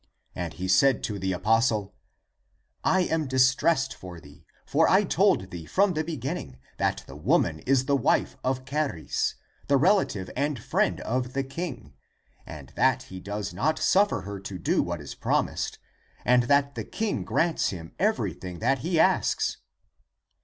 And he said to the apostle, " I am distressed for thee. For I told thee from the be ginning that that woman is the wife of Charis, the relative and friend of the King, and that he does not suffer her to do what is promised, and that the king grants him everything which he asks."